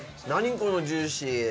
このジューシー。